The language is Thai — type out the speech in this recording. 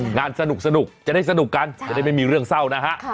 งานสนุกจะได้สนุกกันจะได้ไม่มีเรื่องเศร้านะฮะ